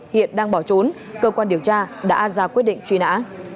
hiện đang bỏ trốn cơ quan điều tra đã ra quyết định truy nã